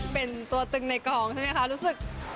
เป็นตัวตึงในกองใช่ไหมคะรู้สึก